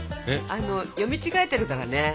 あの読み違えてるからね。